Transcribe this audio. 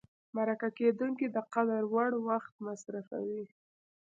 مرکه کېدونکی د قدر وړ وخت مصرفوي.